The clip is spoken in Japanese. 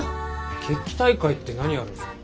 決起大会って何やるんすか？